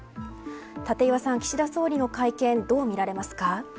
岸田総理の会見どう見られますか。